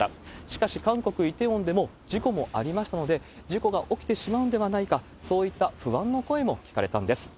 しかし、韓国・イテウォンでも事故もありましたので、事故が起きてしまうんではないか、そういった不安の声も聞かれたんです。